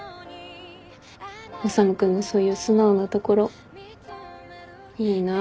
修君のそういう素直なところいいなって思ったの。